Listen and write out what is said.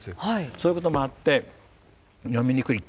そういうこともあって読みにくいと。